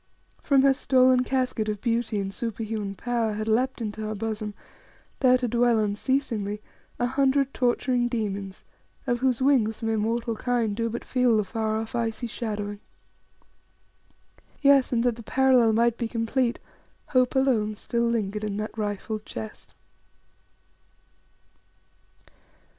From her stolen casket of beauty and super human power had leapt into her bosom, there to dwell unceasingly, a hundred torturing demons, of whose wings mere mortal kind do but feel the far off, icy shadowing. Yes; and that the parallel might be complete, Hope alone still lingered in that rifled chest.